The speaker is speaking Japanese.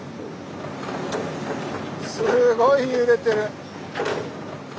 すごい揺れてる。